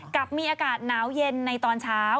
กับมีอากาศหนาวเย็นในตอนเช้า